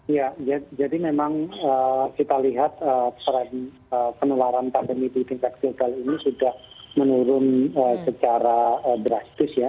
ya jadi memang kita lihat tren penularan pandemi di tingkat global ini sudah menurun secara drastis ya